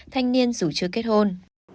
thanh niên dù chưa kết hôn